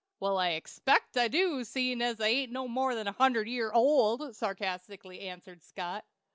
"Well, I expect I do, seein' I ain't more'n a hundred year old," sarcastically answered Scott.